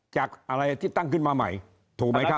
จากอะไรที่ตั้งขึ้นมาใหม่ถูกไหมครับ